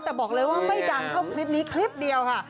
แต่บอกเลยว่าไม่ดังเท่าคลิปนี้คลิปเดียวค่ะ